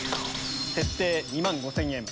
設定２万５０００円。